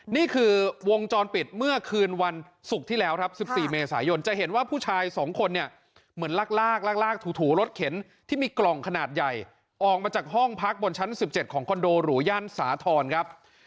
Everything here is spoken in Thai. นี่คือวงจรปิดเมื่อคืนวันศุกร์ที่แล้วครับ๑๔เมษายนจะเห็นว่าผู้ชายสองคนเนี่ยเหมือนลากลากถูรถเข็นที่มีกล่องขนาดใหญ่ออกมาจากห้องพักบนชั้น๑๗ของคอนโดหรูย่านสาธรณ์ครับ